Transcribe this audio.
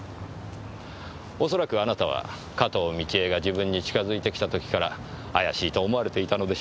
恐らくあなたは加東倫恵が自分に近づいてきた時から怪しいと思われていたのでしょう。